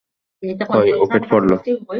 কয় উইকেট পড়ল?